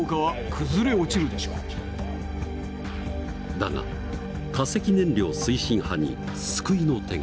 だが化石燃料推進派に救いの手が。